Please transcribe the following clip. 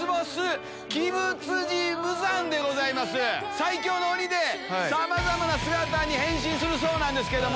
最強の鬼でさまざまな姿に変身するそうなんですけども。